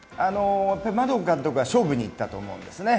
マドン監督は勝負にいったと思うんですね。